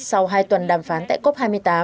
sau hai tuần đàm phán tại cop hai mươi tám